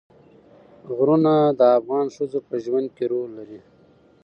غرونه د افغان ښځو په ژوند کې رول لري.